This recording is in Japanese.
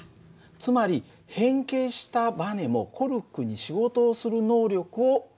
つまり変形したバネもコルクに仕事をする能力を持っていたという訳だね。